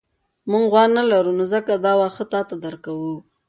موږ غوا نه لرو نو ځکه دا واښه تاته درکوو.